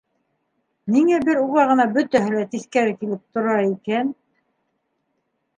Ниңә бер уға гына бөтәһе лә тиҫкәре килеп тора икән?